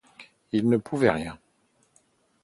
Il ne pouvait rien.